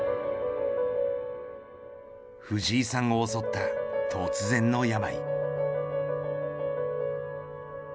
藤井さんを襲った突然の病。